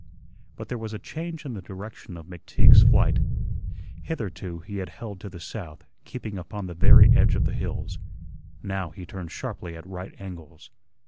But there was a change in the direction of McTeague's flight. Hitherto he had held to the south, keeping upon the very edge of the hills; now he turned sharply at right angles.